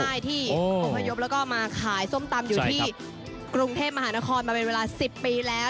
ใช่ที่อบพยพแล้วก็มาขายส้มตำอยู่ที่กรุงเทพมหานครมาเป็นเวลา๑๐ปีแล้ว